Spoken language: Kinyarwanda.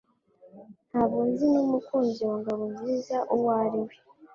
Ntabwo nzi n'umukunzi wa Ngabonziza uwo ari we